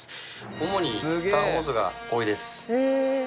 主に「スター・ウォーズ」が多いです。